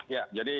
ya jadi ya